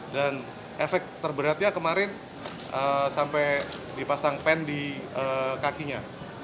dan efek terberatnya kemarin sampai dipasang pen di kakinya